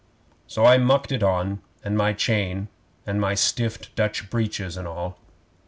'So I mucked it on, and my chain, and my stiffed Dutch breeches and all.